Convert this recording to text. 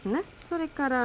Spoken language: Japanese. それから。